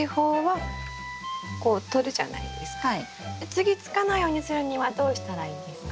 次つかないようにするにはどうしたらいいんですか？